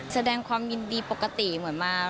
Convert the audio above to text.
แสดงความยินดีปกติเหมือนมา